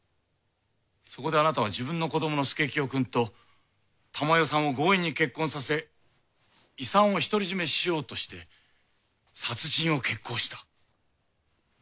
そこであなたは自分の子どもの佐清くんと珠世さんを強引に結婚させ遺産を独り占めしようとして殺人を決行した。